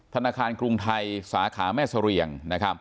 ๔๗๖๒๔๕ธนาคารกรุงไทยสาขาแม่สะเรียง